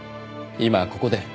今ここで。